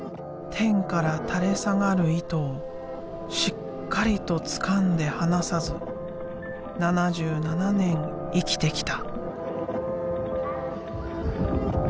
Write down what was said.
天から垂れ下がる糸をしっかりとつかんで離さず７７年生きてきた。